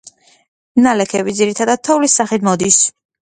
ნალექები ძირითადად თოვლის სახით მოდის.